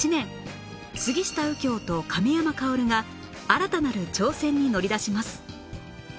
杉下右京と亀山薫が新たなる挑戦に乗り出します